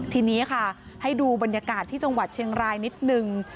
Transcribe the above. ทีนี้ค่ะให้ดูบรรยากาศที่จังหวัดเชียงรายนิดนึง